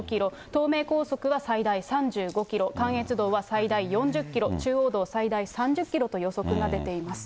東名高速は最大３５キロ、関越道は最大４０キロ、中央道最大３０キロと予測が出ています。